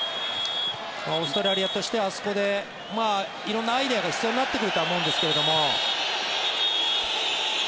オーストラリアとしてはあそこで色んなアイデアが必要になってくるとは思うんですけど。